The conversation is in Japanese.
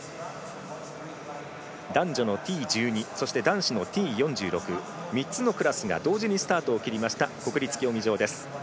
男女のＴ１２、そしてＴ４６３つのクラスが同時にスタートを切りました国立競技場です。